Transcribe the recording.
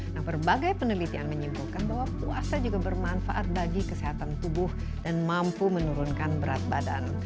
nah berbagai penelitian menyimpulkan bahwa puasa juga bermanfaat bagi kesehatan tubuh dan mampu menurunkan berat badan